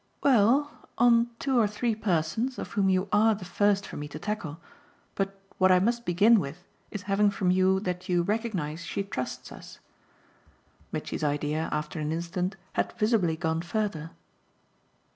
"Well, on two or three persons, of whom you ARE the first for me to tackle. But what I must begin with is having from you that you recognise she trusts us." Mitchy's idea after an instant had visibly gone further.